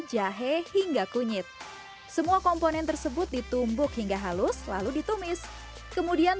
jahe hingga kunyit semua komponen tersebut ditumbuk hingga halus lalu ditumis kemudian